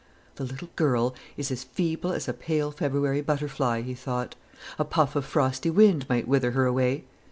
"The little girl is as feeble as a pale February butterfly." he thought; "a puff of frosty wind might wither her away.